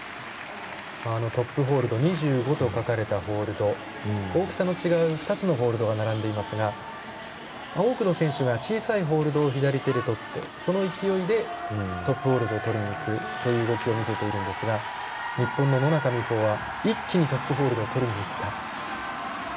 トップホールド２５と書かれたホールド大きさの違う２つのホールドが並んでいますが多くの選手が小さいホールドを左手にとってその勢いでトップホールドをとりにいくという動きを見せているんですが日本の野中生萌は一気にトップホールドをとりにいった。